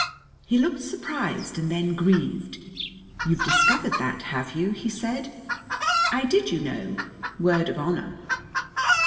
He looked surprised and then grieved. "You've discovered that, have you?" he said. "I did, you know word of honor!